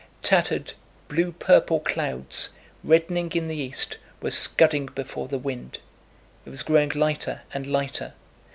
Tattered, blue purple clouds, reddening in the east, were scudding before the wind. It was growing lighter and lighter.